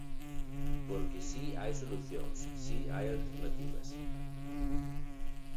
Porque si hai solucións, si hai alternativas.